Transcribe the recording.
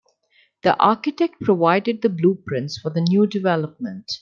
The architect provided the blueprints for the new development.